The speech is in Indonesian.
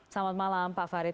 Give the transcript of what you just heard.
selamat malam pak farid